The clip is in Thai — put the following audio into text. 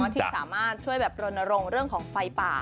ที่สามารถช่วยโปรนโรงเรื่องของไฟป่า